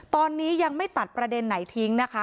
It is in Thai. ตอนนี้ยังไม่ตัดประเด็นไหนทิ้งนะคะ